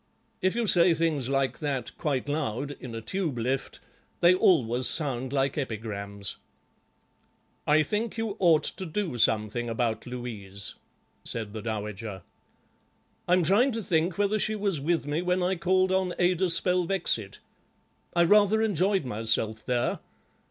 If you say things like that, quite loud, in a Tube lift, they always sound like epigrams." "I think you ought to do something about Louise," said the dowager. "I'm trying to think whether she was with me when I called on Ada Spelvexit. I rather enjoyed myself there.